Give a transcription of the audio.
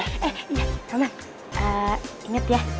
eh roman ingat ya